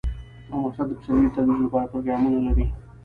افغانستان د پسرلی د ترویج لپاره پروګرامونه لري.